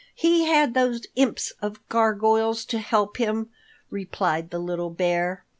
He had those imps of gargoyles to help him," replied the little bear.